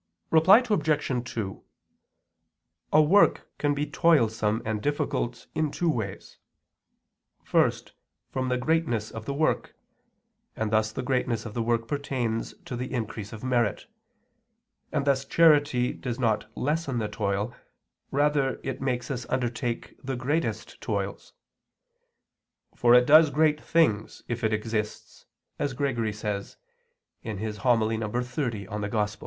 Reply Obj. 2: A work can be toilsome and difficult in two ways: first, from the greatness of the work, and thus the greatness of the work pertains to the increase of merit; and thus charity does not lessen the toil rather, it makes us undertake the greatest toils, "for it does great things, if it exists," as Gregory says (Hom. in Evang. xxx).